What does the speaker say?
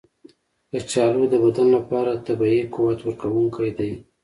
کچالو د بدن لپاره طبیعي قوت ورکونکی دی.